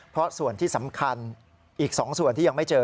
เพราะส่วนที่สำคัญอีก๒ส่วนที่ยังไม่เจอ